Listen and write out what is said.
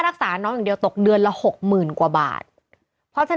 รักษาน้องอย่างเดียวตกเดือนละหกหมื่นกว่าบาทเพราะฉะนั้น